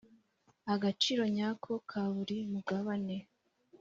agaciro nyako ka buri mugabane